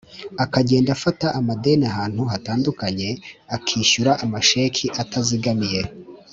akagenda afata amadeni ahantu hatandukanye akishyura amasheki atazigamiye